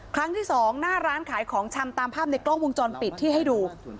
ครั้งที่สองหน้าร้านขายของชำตามภาพในกล้องวงจรปิดที่ให้ดู